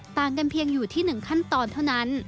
ต่างกันเพียงอยู่ที่๑ขั้นตอนเท่านั้น